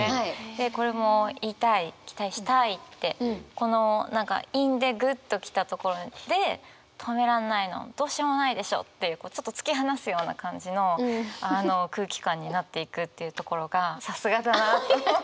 でこれも「いたい」「期待したい」ってこの何か韻でグッと来たところで「止めらんないのどうしようもないでしょ」っていうちょっと突き放すような感じの空気感になっていくっていうところがさすがだなと思って。